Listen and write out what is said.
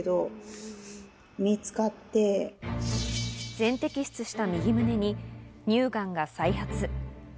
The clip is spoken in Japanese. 全摘出した右胸に乳がんが再発。